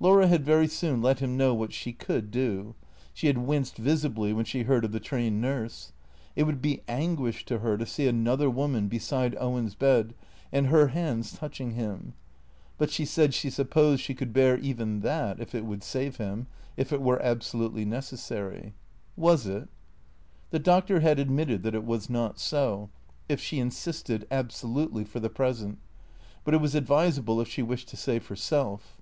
Laura had very soon let him know what she could do. She had winced visibly when she heard of the trained nurse. It would be anguish to her to see another woman beside Owen's bed and her hands touching him ; but she said she supposed she could bear even that if it would save him, if it were absolutely necessary. Was it ? The Doctor had admitted that it was not so, if she insisted — absolutely — for the present ; but it was advis able if she wished to save herself.